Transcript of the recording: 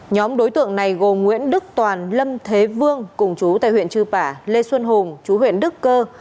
nhóm đối tượng này gồm nguyễn đức toàn lâm thế vương cùng chú tại huyện chư pả lê xuân hùng chú huyện đức cơ